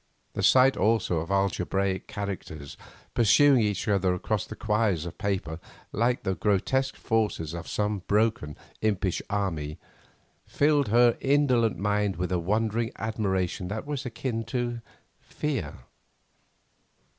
The sight also of algebraic characters pursuing each other across quires of paper, like the grotesque forces of some broken, impish army, filled her indolent mind with a wondering admiration that was akin to fear.